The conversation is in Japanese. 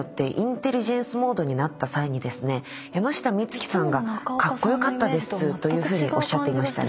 山下美月さんが「カッコ良かったです」とおっしゃっていましたね。